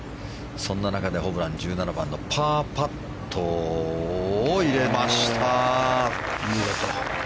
そんな中でホブラン、１７番のパーパットを入れました。